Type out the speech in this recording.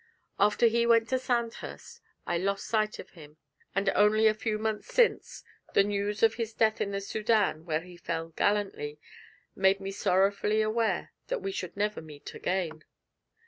After he went to Sandhurst I lost sight of him, and only a few months since the news of his death in the Soudan, where he fell gallantly, made me sorrowfully aware that we should never meet again.